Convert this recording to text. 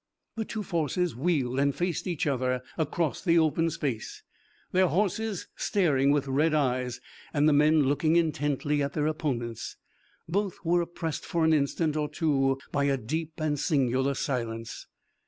The two forces wheeled and faced each other across the open space, their horses staring with red eyes, and the men looking intently at their opponents. Both were oppressed for an instant or two by a deep and singular silence.